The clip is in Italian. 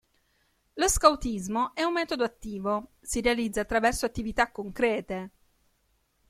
Lo scautismo è un metodo attivo: si realizza attraverso attività concrete.